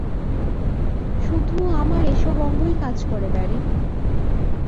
শুধু আমার এসব অঙ্গই কাজ করে, ব্যারি।